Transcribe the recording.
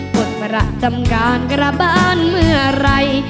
ปลดประจำการกระบันเมื่อไร